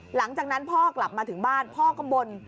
หลังจากนั้นพ่อกลับมาถึงบ้านพ่อก็บ่น